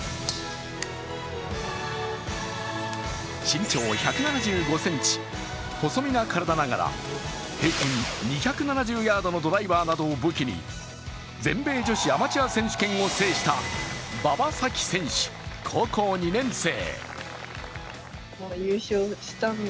身長１７５ｃｍ、細身な体ながら平均２７０ヤードのドライバーなどを武器に全米女子アマチュア選手権を制した馬場咲希選手、高校２年生。